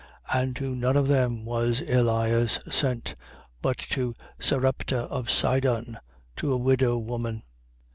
4:26. And to none of them was Elias sent, but to Sarepta of Sidon, to a widow woman.